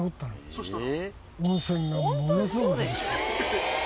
そしたら？